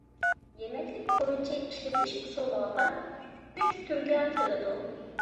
يېمەكلىك خۇرۇچى ئىشلىتىش ئۇسۇلىغا قاراپ ئۈچ تۈرگە ئايرىلىدۇ.